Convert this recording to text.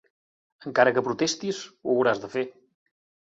Encara que protestis, ho hauràs de fer.